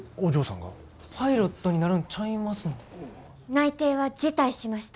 内定は辞退しました。